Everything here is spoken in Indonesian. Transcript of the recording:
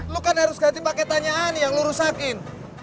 lo kan harus ganti pake tanyaan yang lo rusakin